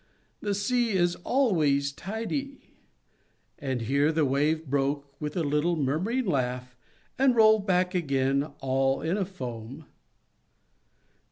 The sea is always tidy;" and here the Wave broke with a little, murmuring laugh, and rolled back again, all in a foam.